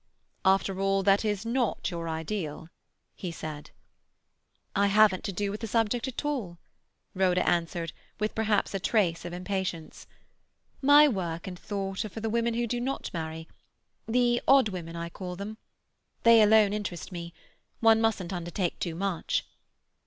"After all, that is not your ideal?" he said. "I haven't to do with the subject at all," Rhoda answered, with perhaps a trace of impatience. "My work and thought are for the women who do not marry—the "odd women" I call them. They alone interest me. One mustn't undertake too much."